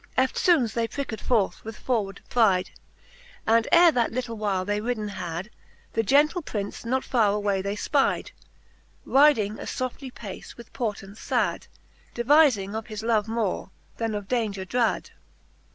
Eftfoones they pricked forth with forward pryde, And ere that litle while they ridden had, The gentle Prince not farre away they fpyde, Ryding a foftly pace, with portance fad, Devizing of his love, more then of daunger drad.